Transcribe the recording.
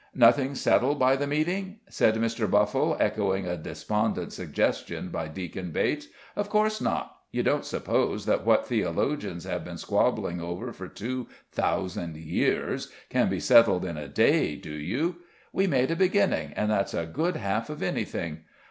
"Nothing settled by the meeting?" said Mr. Buffle, echoing a despondent suggestion by Deacon Bates. "Of course not. You don't suppose that what theologians have been squabbling over for two thousand years can be settled in a day, do you? We made a beginning and that's a good half of anything.